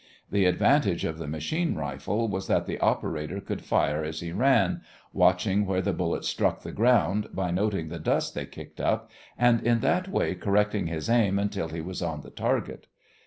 The advantage of the machine rifle was that the operator could fire as he ran, watching where the bullets struck the ground by noting the dust they kicked up and in that way correcting his aim until he was on the target.